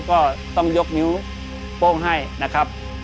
ก็ต้องยกนิ้วโป้งให้นะครับ